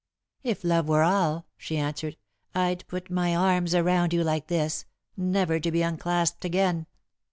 "If love were all," she answered, "I'd put my arms around you, like this, never to be unclasped again.